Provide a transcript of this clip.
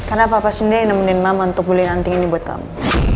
karena papa sendiri yang nemenin mama untuk beli anting ini buat kamu